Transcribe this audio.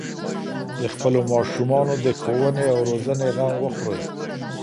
د خپلو ماشومانو د ښوونې او روزنې غم وخورئ.